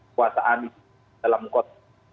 kekuasaan dalam kot